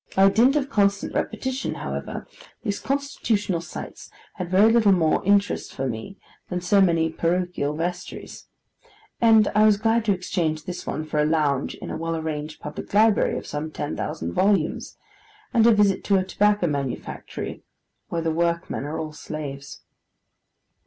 By dint of constant repetition, however, these constitutional sights had very little more interest for me than so many parochial vestries; and I was glad to exchange this one for a lounge in a well arranged public library of some ten thousand volumes, and a visit to a tobacco manufactory, where the workmen are all slaves.